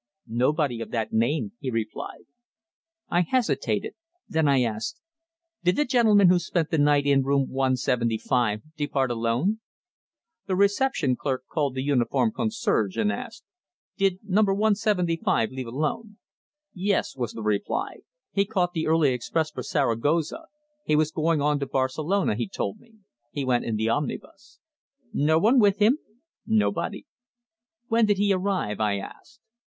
"Nobody of that name," he replied. I hesitated. Then I asked: "Did the gentleman who spent the night in Room 175 depart alone?" The reception clerk called the uniformed concierge, and asked: "Did Number 175 leave alone?" "Yes," was the reply. "He caught the early express for Zaragoza. He was going on to Barcelona, he told me. He went in the omnibus." "No one with him?" "Nobody." "When did he arrive?" I asked.